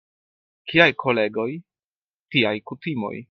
Kiaj kolegoj, tiaj kutimoj.